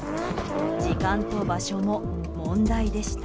時間と場所も問題でした。